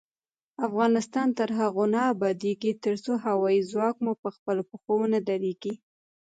افغانستان تر هغو نه ابادیږي، ترڅو هوايي ځواک مو پخپلو پښو ونه دریږي.